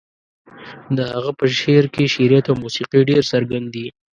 د هغه په شعر کې شعريت او موسيقي ډېر څرګند دي.